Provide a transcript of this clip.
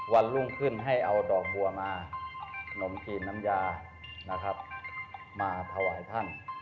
วันลุ่มขึ้นที่จะให้ได้ดอกบัวนมชีนนัมยามาทวายท่าน